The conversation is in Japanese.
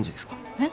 えっ？